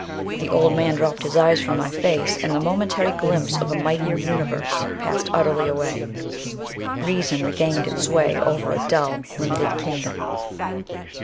The old man dropped his eyes from my face, and the momentary glimpse of a mightier universe passed utterly away. Reason regained its sway over a dull, limited kingdom.